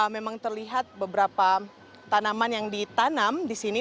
memang terlihat beberapa tanaman yang ditanam di sini